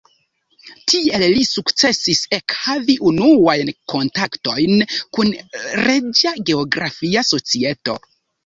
Tiel li sukcesis ekhavi unuajn kontaktojn kun Reĝa Geografia Societo.